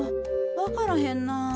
わからへんな。